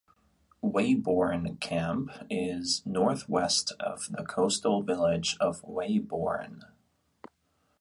Weybourne Camp is north west of the coastal village of Weybourne.